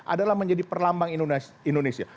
adalah menjadi perlambang indonesia